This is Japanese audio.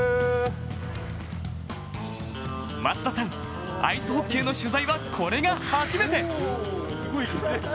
松田さん、アイスホッケーの取材はこれが初めて！